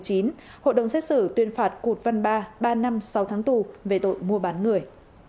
hội đồng xét xử tuyên phạt cụt văn ba ba năm sáu tháng tù về tội mua bán người